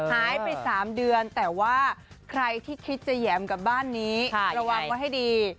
หายไป๓เดือนแต่ว่าใครที่คิดจะแหม่มกับบ้านนี้ระวังไว้ให้ดี